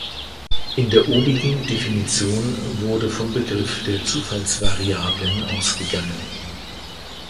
In der obigen Definition wurde vom Begriff der Zufallsvariablen ausgegangen.